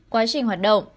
quá trình hoạt động